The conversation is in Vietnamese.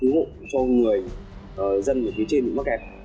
ủng hộ cho người dân ở phía trên mắc kẹt